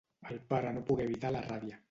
El pare no pogué evitar la ràbia.